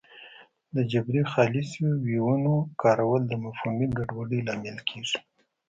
د جبري خالصو ویونو کارول د مفهومي ګډوډۍ لامل کېږي